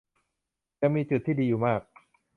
ยังมีจุดที่ดีอยู่มาก